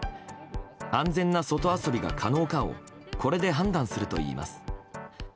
安全な外遊びが可能かをこれで判断するといいます。